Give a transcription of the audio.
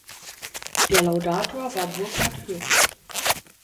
Der Laudator war Burkhard Hirsch.